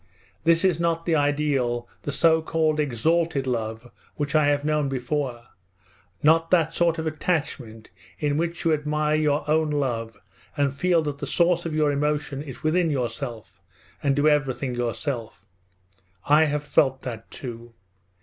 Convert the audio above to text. This is not the ideal, the so called exalted love which I have known before; not that sort of attachment in which you admire your own love and feel that the source of your emotion is within yourself and do everything yourself. I have felt that too.